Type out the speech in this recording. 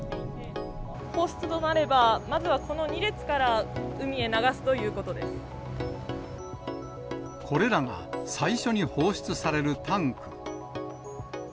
放出となれば、まずはこの２これらが最初に放出されるタンク。